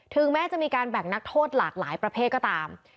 แม้จะมีการแบ่งนักโทษหลากหลายประเภทก็ตาม